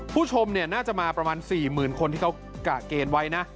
ผู้ชมน่าจะมาประมาณ๔๐๐๐คนที่เขากะเกณฑ์ไว้นะ